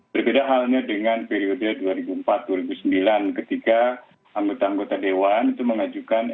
berbeda halnya dengan periode dua ribu empat dua ribu sembilan ketika anggota anggota dewan itu mengajukan